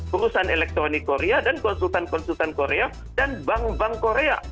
perusahaan elektronik korea dan konsultan konsultan korea dan bank bank korea